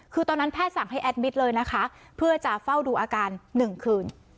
คือตอนนั้นแพทย์สั่งให้แอดมิตรเลยนะคะเพื่อจะเฝ้าดูอาการหนึ่งคืน